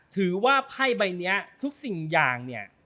ไพ่ใบนี้ทุกสิ่งอย่างเนี่ย